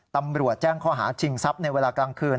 ตำรวจแจ้งข้อหาชิงทรัพย์ในเวลากลางคืน